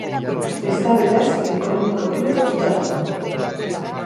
Ez da beraz ekonomikoki lotuta egongo.